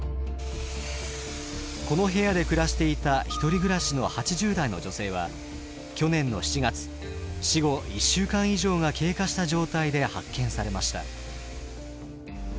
この部屋で暮らしていた１人暮らしの８０代の女性は去年の７月死後１週間以上が経過した状態で発見されました。